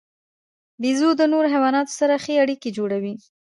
بیزو د نورو حیواناتو سره ښې اړیکې جوړوي.